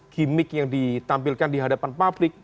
gimmick yang ditampilkan di hadapan publik